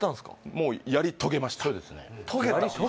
もうやり遂げました遂げた？